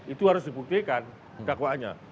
itu harus dibuktikan dakwaannya